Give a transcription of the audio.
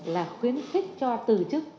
là khuyến khích cho từ chức